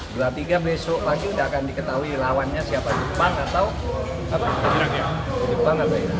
dua tiga besok lagi udah akan diketahui lawannya siapa jepang atau irak